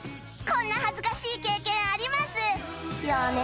こんな恥ずかしい経験ありますよね？